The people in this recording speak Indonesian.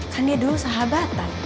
kan dia dulu sahabatan